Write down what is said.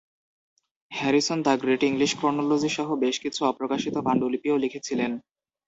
Harrison "the great English chronology" সহ বেশ কিছু অপ্রকাশিত পাণ্ডুলিপিও লিখেছিলেন।